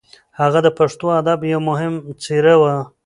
هغه د پښتو ادب یو مهم څېره وه.